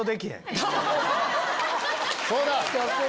そうだ！